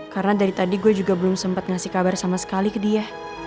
karena dari tadi gue juga belum sempet ngasih kabar sama sekali ke dia